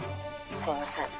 ☎すいません